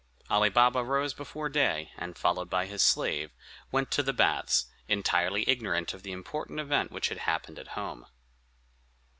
Ali Baba rose before day, and, followed by his slave, went to the baths, entirely ignorant of the important event which had happened at home.